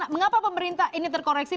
mengapa pemerintah ini terkoreksi